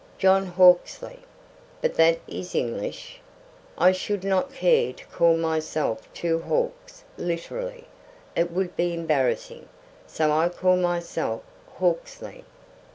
"John Hawksley." "But that is English!" "I should not care to call myself Two Hawks, literally. It would be embarrassing. So I call myself Hawksley."